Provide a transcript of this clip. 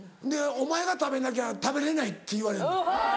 お前が食べなきゃ食べれないって言われんねん。